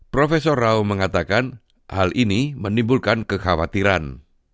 profesor rao mengatakan hal ini menimbulkan kekhawatiran